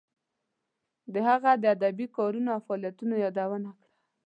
د هغه د ادبی کارونو او فعالیتونو یادونه کړه.